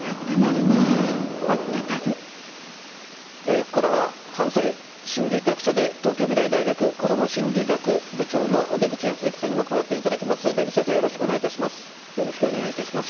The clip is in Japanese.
ここからは犯罪心理学者で、東京未来大学こども心理学部長の出口保行さんにも加わっていただきます。